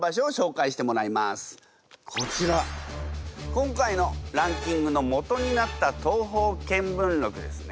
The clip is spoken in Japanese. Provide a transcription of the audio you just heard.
今回のランキングのもとになった「東方見聞録」ですね。